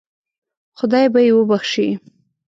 خدای به یې وبخشي.